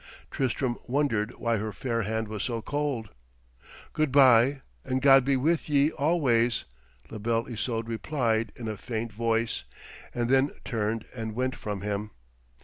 Tristram wondered why her fair hand was so cold. 'Good bye and God be with ye always,' La Belle Isoude replied in a faint voice, and then turned and went from him.